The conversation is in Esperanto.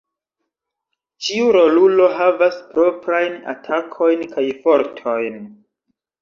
Ĉiu rolulo havas proprajn atakojn kaj fortojn.